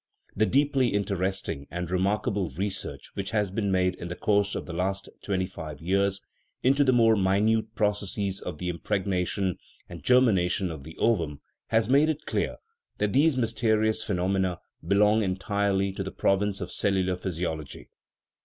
The deeply interesting and re markable research which has been made in the course of the last twenty five years into the more minute proc esses of the impregnation and germination of the ovum has made it clear that these mysterious phenomena belong entirely to the province of cellular physiology (cf.